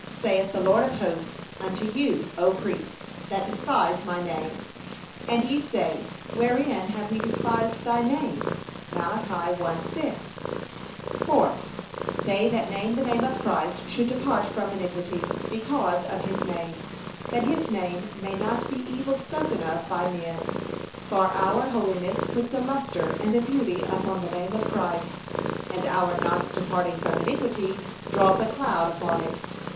saith the Lord of hosts, unto you, O priests, that despise my name. And ye say, Wherein have we despised thy name?' (Mal. 1:6) Fourth, They that name the name of Christ should depart from iniquity, because of his name, that his name may not be evil spoken of by men; for our holiness puts a lustre and a beauty upon the name of Christ, and our not departing from iniquity draws a cloud upon it.